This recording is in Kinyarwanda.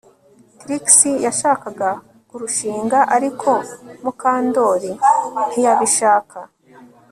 Trix yashakaga kurushinga ariko Mukandoli ntiyabishaka